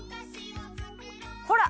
ほら！